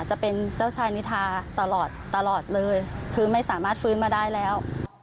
จะเป็นเจ้าชายนิทาตลอดตลอดเลยคือไม่สามารถฟื้นมาได้แล้ว